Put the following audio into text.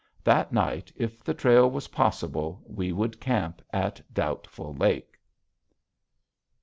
That night, if the trail was possible, we would camp at Doubtful Lake.